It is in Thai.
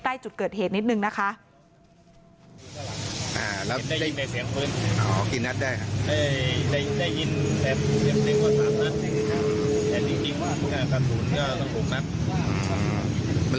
ใกล้จุดเกิดเหตุนิดนึงนะคะ